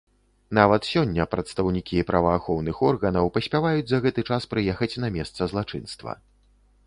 Нават сёння прадстаўнікі праваахоўных органаў паспяваюць за гэты час прыехаць на месца злачынства.